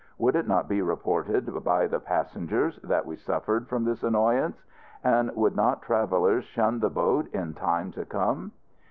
Would it not be reported, by the passengers, that we suffered from this annoyance? And would not travelers shun the boat in time to come?